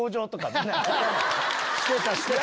してたしてた！